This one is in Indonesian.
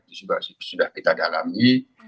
itu sudah kita dalami